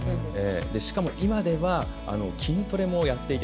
しかも今では筋トレもやっていて。